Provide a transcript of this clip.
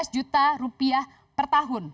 satu ratus tujuh belas juta rupiah per tahun